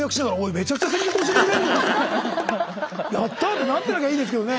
「やった」ってなってなきゃいいですけどね。